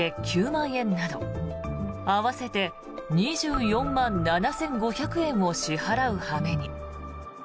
９万円など合わせて２４万７５００円を支払う羽目に。